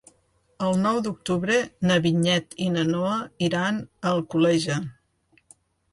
El nou d'octubre na Vinyet i na Noa iran a Alcoleja.